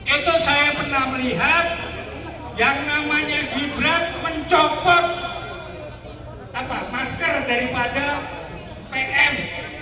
itu saya pernah melihat yang namanya gibran mencopot masker daripada pm